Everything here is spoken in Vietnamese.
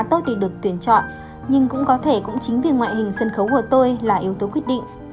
tốt thì được tuyển chọn nhưng cũng có thể cũng chính vì ngoại hình sân khấu của tôi là yếu tố quyết định